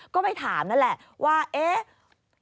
ก็ไปถามนั่นแหละว่าเอ๊ะ